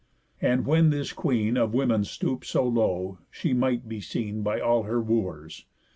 And when this queen Of women stoop'd so low, she might be seen By all her wooers.